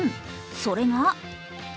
それが「＃